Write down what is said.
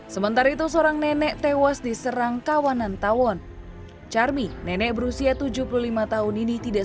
sementara itu seorang nenek tewas diserang kawanan tawon carmi nenek berusia tujuh puluh lima tahun ini tidak